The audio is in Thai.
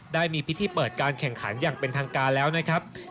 ได้มีพิธีเปิดการแข่งขันอย่างเป็นทางการแล้วนะครับ